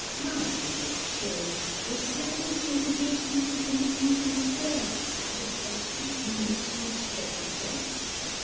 "Mamma did not show the slightest hesitation in committing me to his care," added Elsie in her sweet, gentle tones.